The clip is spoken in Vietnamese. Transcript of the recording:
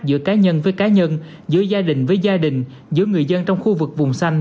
giữa cá nhân với cá nhân giữa gia đình với gia đình giữa người dân trong khu vực vùng xanh